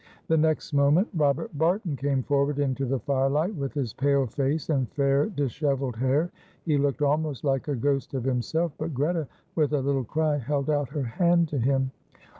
The next moment Robert Barton came forward into the firelight, with his pale face and fair, dishevelled hair. He looked almost like a ghost of himself, but Greta, with a little cry, held out her hand to him.